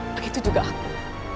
begitu juga aku